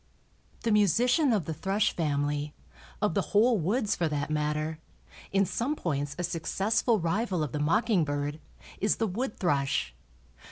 The musician of the thrush family, of the whole woods for that matter, in some points a successful rival of the mocking bird, is the wood thrush.